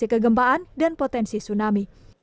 kegempaan dan potensi tsunami